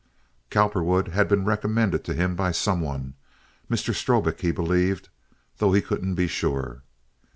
Cowperwood had been recommended to him by some one—Mr. Strobik, he believed, though he couldn't be sure.